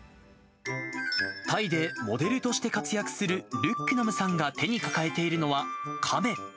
タイでモデルとして活躍するルックナムさんが手に抱えているのはカメ。